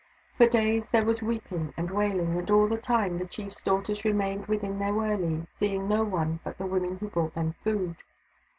For days there was weeping and wailing, and all the time the chief's daughters remained within their wurley, seeing no one but the women who brought them food.